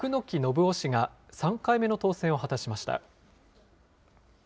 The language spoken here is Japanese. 木信夫氏が、３回目の当選を果たしました。